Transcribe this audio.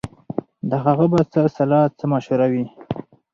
د هغه به څه سلا څه مشوره وي